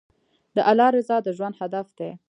د الله رضا د ژوند هدف دی.